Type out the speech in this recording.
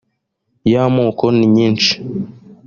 y amoko ni nyinshi